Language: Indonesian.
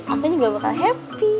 aku juga bakal happy